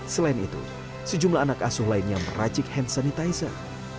selain itu sejumlah anak asuh lainnya meracik hand sanitizer